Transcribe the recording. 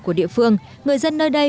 của địa phương người dân nơi đây